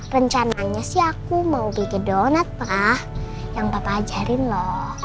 rencananya sih aku mau bikin donat pa yang papa ajarin lo